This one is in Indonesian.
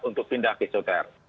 untuk pindah ke isoter